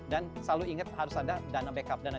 dan selalu ingat harus ada dana backup dana